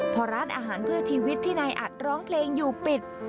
พอร้านอาหารเพื่อชีวิตที่นายอัดร้องเพลงอยู่ปิด